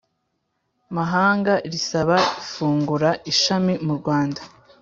mahanga risaba gufungura ishami mu Rwanda